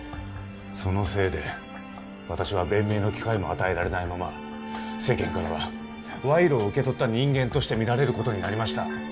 そのせいで私は弁明の機会も与えられないまま世間からは賄賂を受け取った人間として見られることになりました